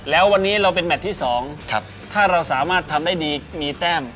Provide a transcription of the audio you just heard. แล้ววันนี้เราเป็นแมทที่๒ถ้าเราสามารถทำได้ดีมีแต้ม